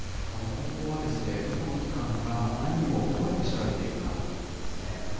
今後はどこの機関が何をどうやって調べていくかっていうところですよね。